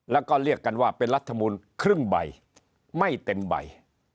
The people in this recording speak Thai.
แล้วก็เรียกกันว่าเป็นรัฐมูลครึ่งใบไม่เต็มใบ